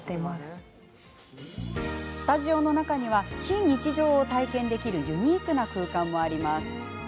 スタジオの中には非日常を体験できるユニークな空間もあります。